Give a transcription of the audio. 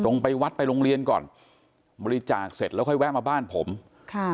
ไปวัดไปโรงเรียนก่อนบริจาคเสร็จแล้วค่อยแวะมาบ้านผมค่ะ